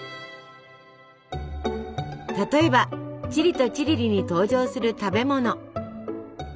例えばチリとチリリに登場する食べ物。